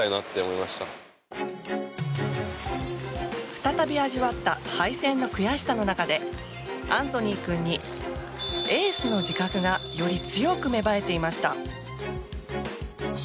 再び味わった敗戦の悔しさの中でアンソニー君にエースの自覚がより強く芽生えていました。